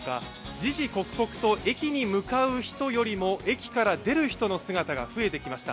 時々刻々と駅に入る人より駅から出る人の姿が増えてきました。